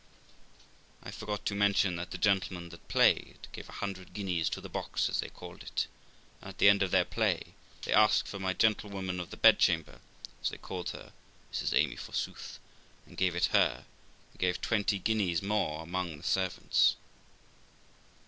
I forgot to mention, that the gentlemen that played gave a hundred guineas to the box, as they called it, and at the end of their play they asked for my gentlewoman of the bedchamber, as they called her (Mrs. 298 THE LIFE OF ROXANA Amy, forsooth), and gave it her, and gave twenty guineas more among the servants.